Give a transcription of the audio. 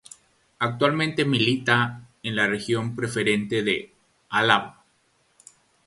Actualmente milita en la Regional Preferente de Álava.